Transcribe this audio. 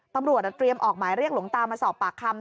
ตำรวจเตรียมออกหมายเรียกหลวงตามาสอบปากคำ